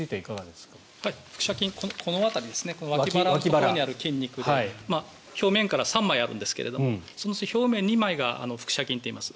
この脇腹のところにある筋肉で表面から３枚あるんですがそのうち表面２枚が腹斜筋といいます。